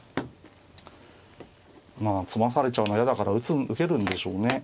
まあ詰まされちゃうの嫌だから受けるんでしょうね。